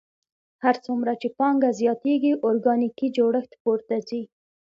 هر څومره چې پانګه زیاتېږي ارګانیکي جوړښت پورته ځي